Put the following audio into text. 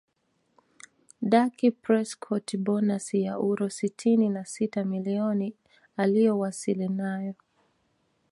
Dak Prescot Bonasi ya uro sitini na sita milioni aliyowasili nayo